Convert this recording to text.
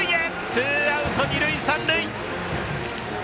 ツーアウト、二塁三塁！